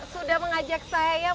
sudah mengajak saya melihat ini